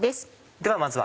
ではまずは。